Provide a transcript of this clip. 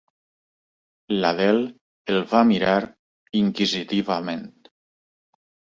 L'Adele el va mirar inquisitivament.